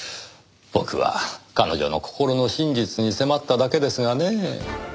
僕は彼女の心の真実に迫っただけですがねえ。